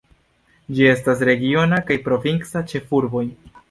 Ĝi estas regiona kaj provinca ĉefurboj.